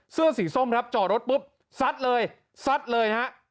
เสื้อสีส้มครับจอดรถปุ๊บซัดเลยซัดเลยฮะ